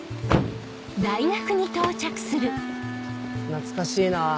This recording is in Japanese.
懐かしいなぁ。